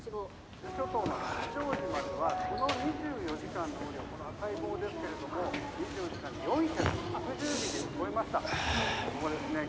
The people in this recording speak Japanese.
伊豆諸島の八丈島ではこの２４時間の雨量この赤い棒ですけれども２４時間に４６０ｍｍを超えました。